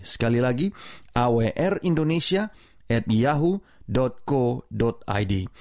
sekali lagi awrindonesia at yahoo co id